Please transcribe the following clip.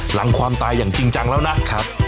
หลังความตายอย่างจริงจังแล้วนะครับ